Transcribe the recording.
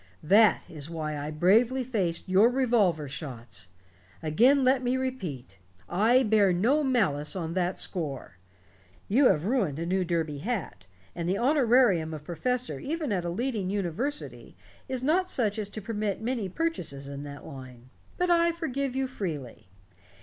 That is why I bravely faced your revolver shots. Again let me repeat, I bear no malice on that score. You have ruined a new derby hat, and the honorarium of professor even at a leading university is not such as to permit of many purchases in that line. But I forgive you freely.